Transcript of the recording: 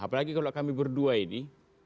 apalagi kalau kami berdua ini